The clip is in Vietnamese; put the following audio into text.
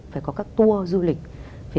phải có các tour du lịch